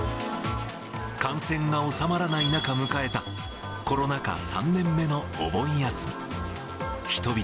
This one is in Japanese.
感染が収まらない中、迎えた、コロナ禍３年目のお盆休み。